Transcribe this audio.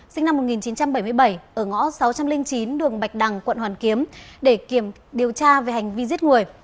sinh năm một nghìn chín trăm bảy mươi bảy ở ngõ sáu trăm linh chín đường bạch đăng quận hoàn kiếm để điều tra về hành vi giết người